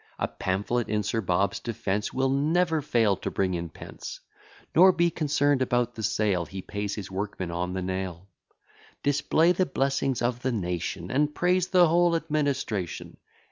A pamphlet in Sir Bob's defence Will never fail to bring in pence: Nor be concern'd about the sale, He pays his workmen on the nail. Display the blessings of the nation, And praise the whole administration.